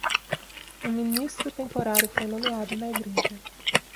Um ministro temporário foi nomeado na igreja.